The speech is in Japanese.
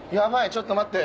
ちょっと待って。